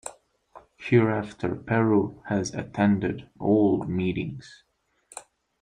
Hereafter Peru has attended all meetings.